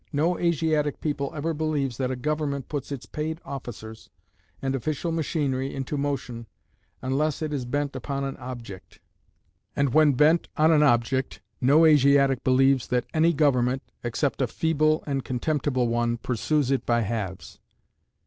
No Asiatic people ever believes that a government puts its paid officers and official machinery into motion unless it is bent upon an object; and when bent on an object, no Asiatic believes that any government, except a feeble and contemptible one, pursues it by halves.